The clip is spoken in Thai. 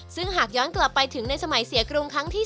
ซึ่งหากย้อนกลับไปถึงในสมัยเสียกรุงครั้งที่๓